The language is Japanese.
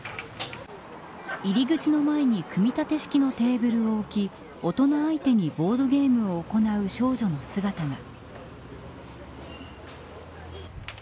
入り口の前に組み立て式のテーブルを置き大人相手にボードゲームを行う少女の姿が。